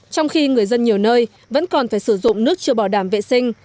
trong khi người dân nhiều nơi vẫn còn phải sử dụng nước chưa bảo đảm vệ sinh